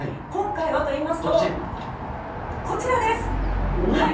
今回はといいますとこちらです。